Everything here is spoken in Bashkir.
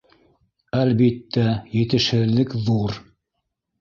— Әлбиттә, етешһеҙлек ҙур.